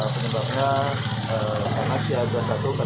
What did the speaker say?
penyebabnya panas siaga satu delapan